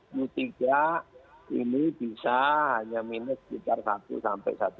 ekspektasi dari perhitungan kementerian keuangan yang pdb kita di q tiga